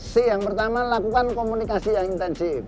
c yang pertama lakukan komunikasi yang intensif